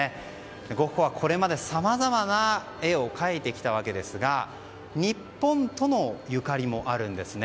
ゴッホはこれまで、さまざまな絵を描いてきたわけですが日本とのゆかりもあるんですね。